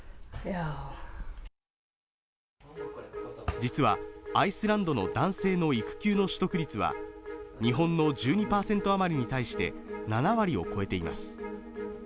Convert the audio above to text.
実はアイスランドの男性の育休の取得率は日本の１２％余りに対して７割を超えています